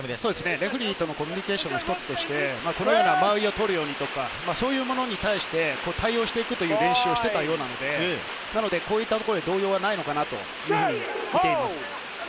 レフェリーとのコミュニケーションの一つとして間合いを取るようにとか、そういうものに対して対応していくという練習をしていたようなので、こういったところで動揺はないのかなと見ています。